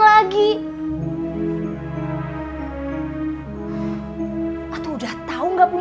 lo udah tuh zitten